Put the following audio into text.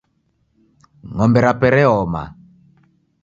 Ng'ombe rape reoma.